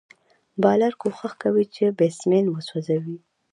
بالر کوښښ کوي، چي بېټسمېن وسوځوي.